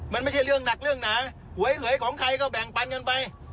มันไม่ใช่เรื่องหนักเรื่องหนาหวยเหยของใครก็แบ่งปันกันไป